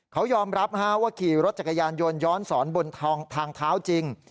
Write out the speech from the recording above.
เขายอมรับว่าขี่รถจักรยานยนต์ย้อนสอนบนทางเท้าจริง